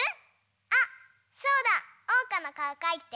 あそうだ！おうかのかおかいて！